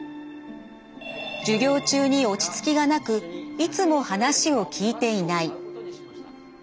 授業中に落ち着きがなくいつも話を聞いていない。